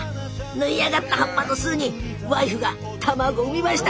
縫い上がった葉っぱの巣にワイフが卵を産みました。